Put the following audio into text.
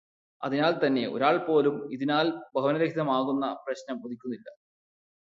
അതിനാല് തന്നെ ഒരാള്പോലും ഇതിനാല് ഭവനരഹിതരാകുന്ന പ്രശ്നം ഉദിക്കുന്നില്ല.